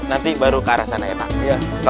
nanti baru ke arah sana ya pak